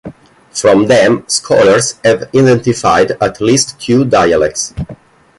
From them, scholars have identified at least two dialects.